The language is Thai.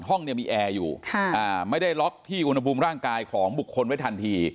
ห้องเนี่ยมีแอร์อยู่ไม่ได้ล็อกที่อุณหภูมิร่างกายของบุคคลไว้ทันที